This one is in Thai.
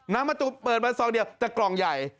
มะตูมเปิดมาซองเดียวแต่กล่องใหญ่